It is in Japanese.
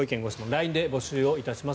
ＬＩＮＥで募集いたします。